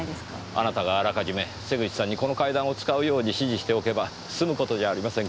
あなたがあらかじめ瀬口さんにこの階段を使うように指示しておけば済む事じゃありませんか。